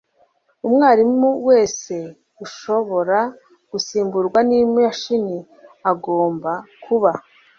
Umwarimu wese ushobora gusimburwa nimashini agomba kuba